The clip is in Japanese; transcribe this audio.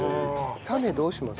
種どうします？